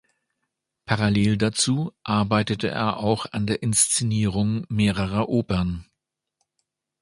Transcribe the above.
Parallel dazu arbeitete er auch an der Inszenierung mehrerer Opern.